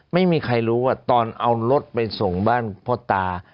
ไม่มีใครรู้ว่าตอนเอารถไปส่งบ้านพ่อตา